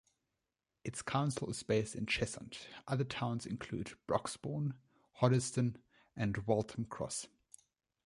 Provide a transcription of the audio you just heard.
Its council is based in Cheshunt, other towns include Broxbourne, Hoddesdon and Waltham Cross.